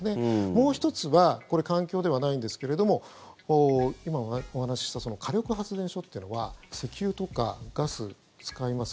もう１つはこれ、環境ではないんですけども今、お話しした火力発電所というのは石油とかガス、使います。